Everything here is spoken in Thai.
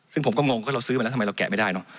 ซึ่งผมก็งงว่าเราซื้อมาแล้วทำไมเราแกะไม่ได้เนอะ